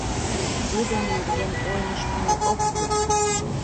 — Тидын нерген ойлыштмо ок кӱл.